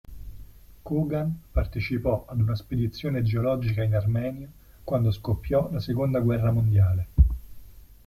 Kogan partecipò ad una spedizione geologica in Armenia quando scoppiò la Seconda guerra mondiale.